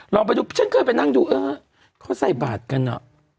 ลองไปดูฉันเคยไปนั่งดูเออเขาใส่บาทกันอ่ะ